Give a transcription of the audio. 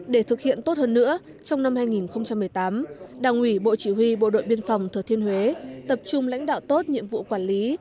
để thực hiện tốt hơn nữa trong năm hai nghìn một mươi tám đảng ủy bộ chỉ huy bộ đội biên phòng thừa thiên huế tập trung lãnh đạo tốt nhiệm vụ quản lý